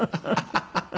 ハハハハ。